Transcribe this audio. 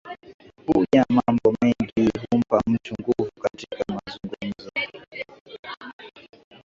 Kujua mambo mengi humpa mtu nguvu katika mazungumzo.